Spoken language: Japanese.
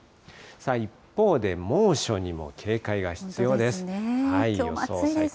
一方で、猛暑にも警戒が必要です。